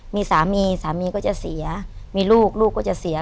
มีสามีสามีก็จะเสียมีลูกลูกก็จะเสีย